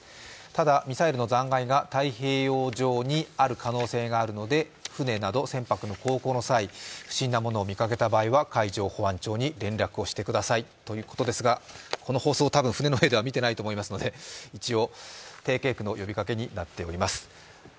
ただ、ミサイルの残骸が太平洋上にある可能性があるので船など船舶の航行の際不審なものを見つけた場合は海上保安庁に連絡をしてくださいということですがこの放送、たぶん船の上ではみていないと思いますので、一応、定型文の呼びかけになています。